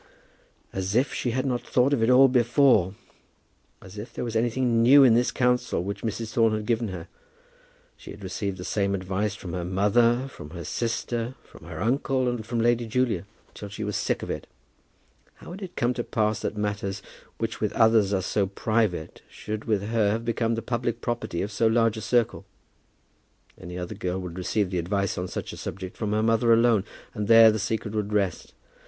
As if she had not thought of it all before! As if there was anything new in this counsel which Mrs. Thorne had given her! She had received the same advice from her mother, from her sister, from her uncle, and from Lady Julia, till she was sick of it. How had it come to pass that matters which with others are so private, should with her have become the public property of so large a circle? Any other girl would receive advice on such a subject from her mother alone, and there the secret would rest.